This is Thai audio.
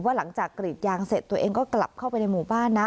หลังจากกรีดยางเสร็จตัวเองก็กลับเข้าไปในหมู่บ้านนะ